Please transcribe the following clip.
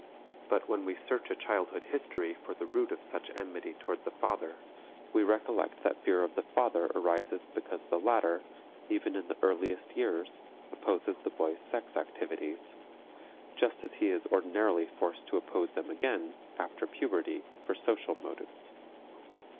But when we search a childhood history for the root of such enmity toward the father, we recollect that fear of the father arises because the latter, even in the earliest years, opposes the boy's sex activities, just as he is ordinarily forced to oppose them again, after puberty, for social motives.